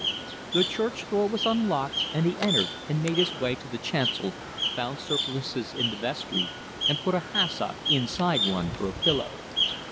The church door was unlocked, and he entered and made his way to the chancel, found surplices in the vestry and put a hassock inside one for a pillow.